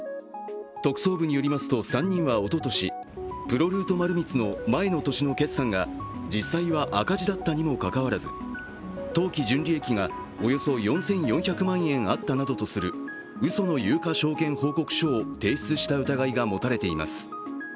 特捜部によりますと３人はおととしプロルート丸光の前の年の決算が実際は赤字だったにもかかわらず、当期純利益がおよそ４４００万円あったなどとするうその有価証券報告書を提出した疑いが持たれています。